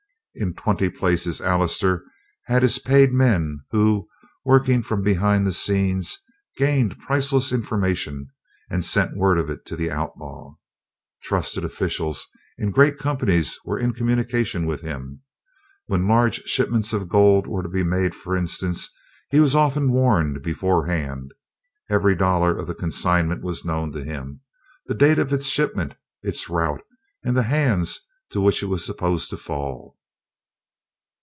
In twenty places Allister had his paid men who, working from behind the scenes, gained priceless information and sent word of it to the outlaw. Trusted officials in great companies were in communication with him. When large shipments of gold were to be made, for instance, he was often warned beforehand. Every dollar of the consignment was known to him, the date of its shipment, its route, and the hands to which it was supposed to fall.